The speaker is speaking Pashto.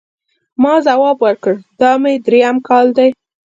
ما ځواب ورکړ، دا مې درېیم کال دی.